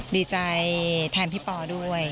ดีใจแทนพี่ปอด้วย